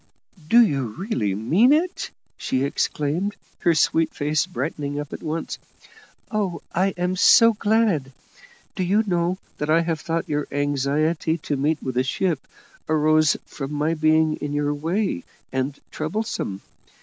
"Do you really mean it?" she exclaimed, her sweet face brightening up at once. "Oh, I am so glad! Do you know I have thought your anxiety to meet with a ship arose from my being in your way, and troublesome.